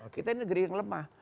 kita ini negeri yang lemah